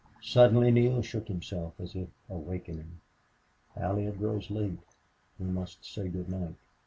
Suddenly Neale shook himself, as if awakening. "Allie, it grows late. We must say good night...